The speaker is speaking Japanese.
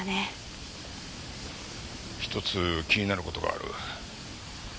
一つ気になる事がある。